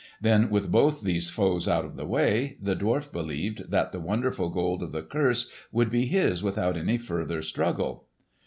Then with both these foes out of the way, the dwarf believed that the wonderful Gold of the curse would be his without any further struggle.